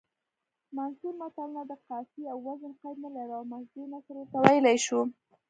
منثور متلونه د قافیې او وزن قید نلري او مسجع نثر ورته ویلی شو